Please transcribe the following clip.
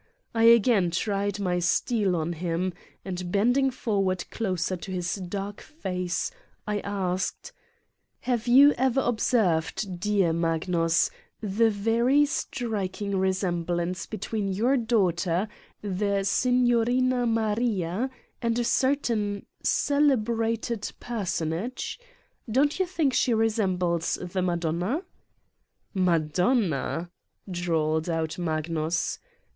I again tried my steel on him, and bending forward closer to his dark face, I asked: 40 s ! Satan's Diary "Have you ever observed dear Magnus, the very striking resemblance between your daugh ter, the Signorina Maria, and a certain cele brated personage? Don't you think she resem bles the Madonna ?" "Madonna?" drawled out Magnus.